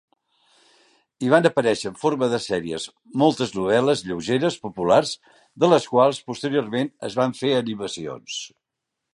Hi van aparèixer en forma de sèries moltes novel·les lleugeres populars de les quals, posteriorment, es van fer animacions.